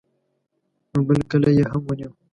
نو بل کلی یې هم ونیو.